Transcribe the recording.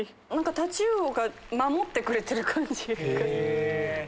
タチウオが守ってくれてる感じ。